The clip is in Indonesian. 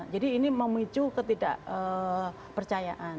jadi ini memicu ketidakpercayaan